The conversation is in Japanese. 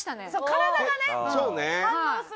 体がね反応する。